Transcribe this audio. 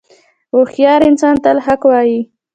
• هوښیار انسان تل حق وایی.